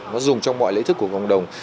nó dùng trong mọi lễ thức của cộng đồng